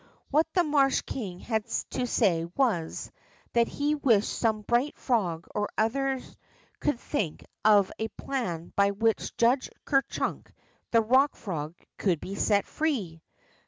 What the marsh king had to say was, that he wished some bright frog or other could think of a plan by which Judge Ker Chunk, the Eock Erog, could be set free.